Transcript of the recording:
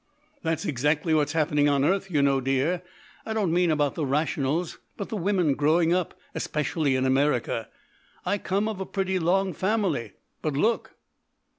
"That's exactly what's happening on earth, you know, dear. I don't mean about the rationals, but the women growing up, especially in America. I come of a pretty long family but, look!"